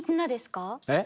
えっ？